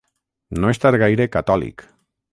No estar gaire catòlic.